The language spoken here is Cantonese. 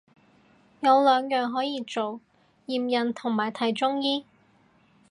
有兩樣可以做，驗孕同埋睇中醫